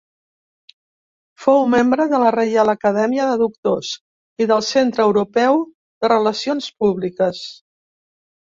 Fou membre de la Reial Acadèmia de Doctors i del Centre Europeu de Relacions Públiques.